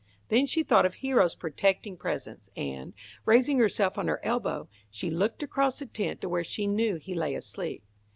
Then she thought of Hero's protecting presence, and, raising herself on her elbow, she looked across the tent to where she knew he lay asleep.